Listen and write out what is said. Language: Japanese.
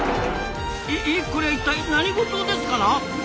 えこりゃ一体何事ですかな？